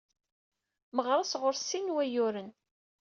Meɣres ɣur-s sin n wayyuren.